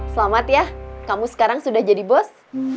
selamat ya kamu sekarang sudah jadi bos